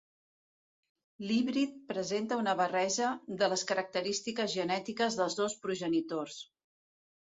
L'híbrid presenta una barreja de les característiques genètiques dels dos progenitors.